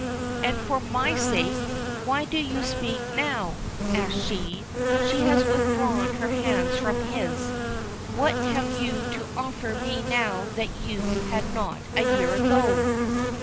"And for 'my sake' why do you speak now?" asks she. She has withdrawn her hands from his. "What have you to offer me now that you had not a year ago?"